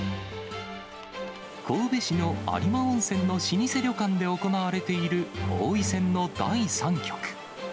神戸市の有馬温泉の老舗旅館で行われている、王位戦の第３局。